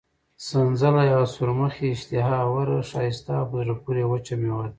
سنځله یوه سورمخې، اشتها اوره، ښایسته او په زړه پورې وچه مېوه ده.